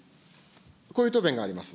こういう答弁があります。